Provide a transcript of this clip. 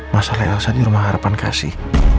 masa lelelsa di rumah harapan kasih